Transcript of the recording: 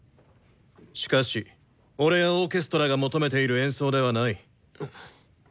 しかし俺やオーケストラが求めている演奏ではない。